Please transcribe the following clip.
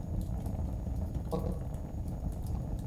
দিদার কলোনির তিনতলা ভবনের তৃতীয় তলায় একটি বাসায় ভাড়া থাকতেন তাঁরা।